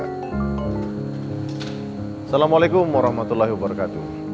assalamualaikum warahmatullahi wabarakatuh